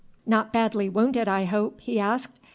"Not badly wounded, I hope?" he asked.